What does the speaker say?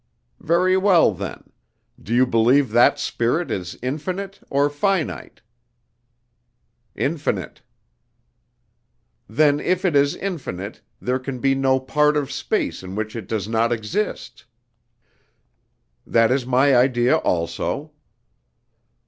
"Very well, then; do you believe that Spirit is infinite or finite?" "Infinite." "Then, if it is infinite, there can be no part of space in which it does not exist." "That is my idea also."